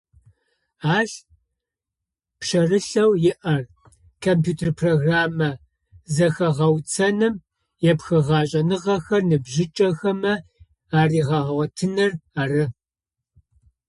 Ащ пшъэрылъэу иӏэр компьютер программэ зэхэгъэуцоным епхыгъэ шӏэныгъэхэр ныбжьыкӏэхэмэ аригъэгъотыныр ары.